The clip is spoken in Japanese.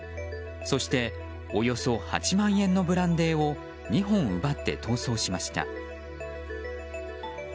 そしておよそ８万円のブランデーを２本奪って逃走しました。